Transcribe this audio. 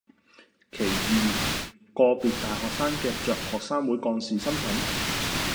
其二，個別大學生挾着學生會幹事身分